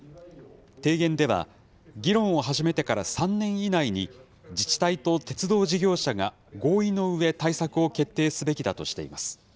提言では、議論を始めてから３年以内に、自治体と鉄道事業者が合意の上対策を決定すべきだとしています。